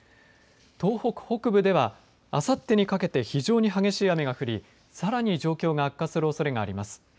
東北北部ではあさってにかけて非常に激しい雨が降りさらに状況が悪化するおそれがあります。